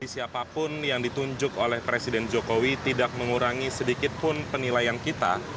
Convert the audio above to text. siapapun yang ditunjuk oleh presiden jokowi tidak mengurangi sedikit pun penilaian kita